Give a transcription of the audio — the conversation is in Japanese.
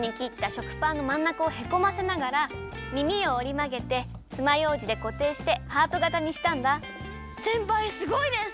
しょくパンのまんなかをへこませながらみみをおりまげてつまようじでこていしてハートがたにしたんだせんぱいすごいです！